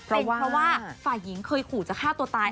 เป็นเพราะว่าฝ่ายหญิงเคยขู่จะฆ่าตัวตาย